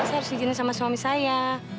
saya harus izinin sama suami saya